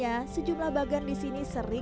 yo rasit ketawaatemang dan dimapain